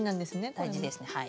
大事ですねはい。